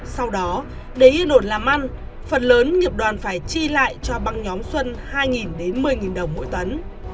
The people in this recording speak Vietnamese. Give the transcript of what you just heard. sau đó để yên ổn làm ăn phần lớn nghiệp đoàn phải chi lại cho băng nhóm xuân hai đến một mươi đồng mỗi tấn